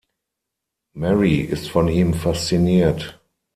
Mary ist von ihm fasziniert.